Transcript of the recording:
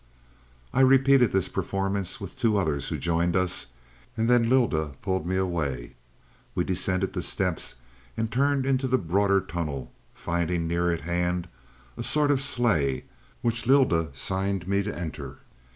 "I repeated this performance with two others who joined us, and then Lylda pulled me away. We descended the steps and turned into the broader tunnel, finding near at hand a sort of sleigh, which Lylda signed me to enter.